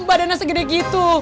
badannya segede gitu